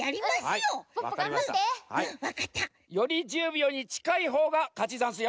より１０秒にちかいほうがかちざんすよ！